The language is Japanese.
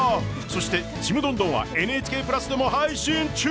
そして「ちむどんどん」は「ＮＨＫプラス」でも配信中！